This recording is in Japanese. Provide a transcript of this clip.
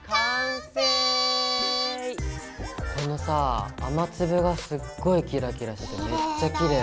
このさ雨粒がすっごいキラキラしててめっちゃきれい！